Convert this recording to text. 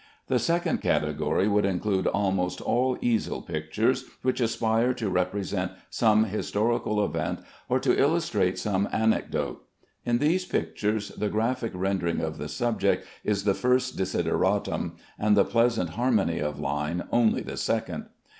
The second category would include almost all easel pictures which aspire to represent some historical event, or to illustrate some anecdote. In these pictures the graphic rendering of the subject is the first desideratum, and the pleasant harmony of line only the second.